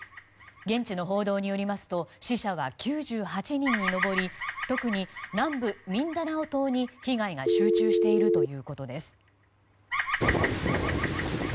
現地の報道によりますと死者は９８人に上りとくに南部ミンダナオ島に被害が集中しているということです。